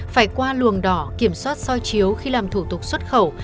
phải qua luồng đỏ kiểm soát soi chiếu khi làm thủ tục xuất khẩu